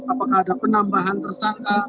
apakah ada penambahan tersangka